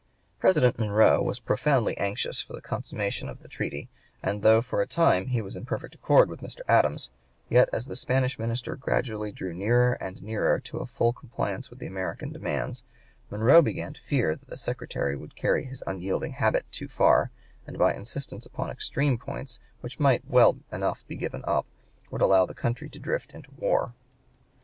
President Monroe was profoundly anxious for the consummation of the treaty, and though for a time he was in perfect accord with Mr. Adams, yet as the Spanish minister gradually drew nearer and nearer to a full compliance with the American demands, Monroe began to fear that the Secretary would carry his unyielding habit too far, and by insistence upon extreme points which might well enough be given up, would allow the country to drift into war.